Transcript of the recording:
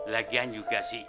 lagian juga sih